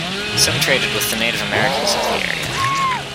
Some traded with the Native Americans of the area.